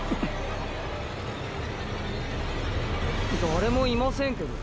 誰もいませんけど？